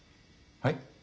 はい？